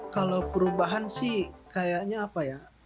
kalau perubahan sih kayaknya apa ya